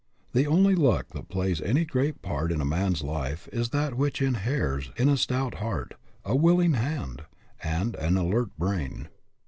The only luck that plays any great part in a man's life is that which inheres in a stout heart, a willing hand, and an alert brain.